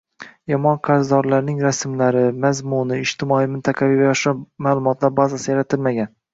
Yomon qarzdorlarning rasmlari, mazmuni, ijtimoiy, mintaqaviy va yoshlar ma'lumotlar bazasi yaratilmagan